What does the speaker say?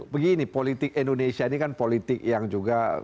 begini politik indonesia ini kan politik yang juga